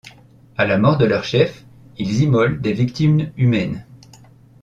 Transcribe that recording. À la mort de leurs chefs, ils immolent des victimes humaines.